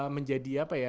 menjadi apa ya